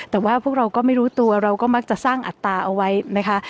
แต่ว่าพวกเราก็ไม่รู้ตัวเราก็มักจะสร้างอัตราเอาไว้นะคะ